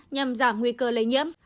nhằm giảm nguy cơ lây nhiễm